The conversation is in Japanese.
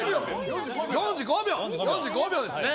４５秒ですね。